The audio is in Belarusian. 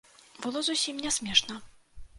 Было зусім не смешна.